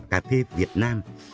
cà phê việt nam